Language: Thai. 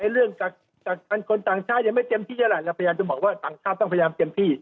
เรื่องจากคนต่างชาติยังไม่เต็มที่เท่าไหร่เราพยายามจะบอกว่าต่างชาติต้องพยายามเต็มที่